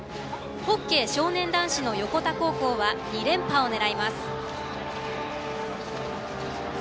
ホッケー少年男子の横田高校は２連覇を狙います。